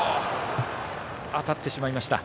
当たってしまいました。